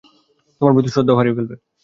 তোমার প্রতি ও শ্রদ্ধা হারিয়ে ফেলবে।